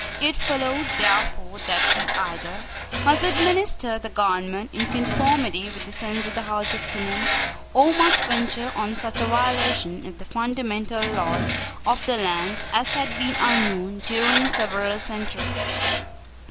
It followed, therefore, that he either must administer the government in conformity with the sense of the House of Commons, or must venture on such a violation of the fundamental laws of the land as had been unknown during several centuries.